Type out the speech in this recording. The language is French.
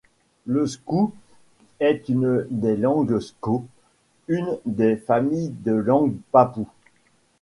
Le skou est une des langues sko, une des familles de langues papoues.